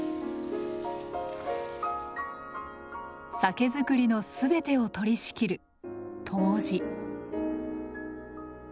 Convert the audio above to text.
酒造りのすべてを取り仕切る杜氏。